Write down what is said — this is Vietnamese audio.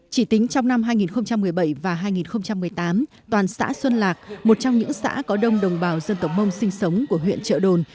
chỉ tính trong năm hai nghìn một mươi bảy và hai nghìn một mươi tám toàn xã xuân lạc một trong những xã có đông đồng bào dân tộc mông sinh sống của huyện trợ đồn